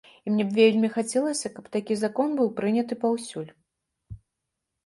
І мне б вельмі хацелася, каб такі закон быў прыняты паўсюль.